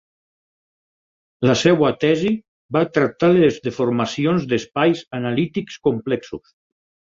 La seva tesi va tractar les deformacions d'espais analítics complexos.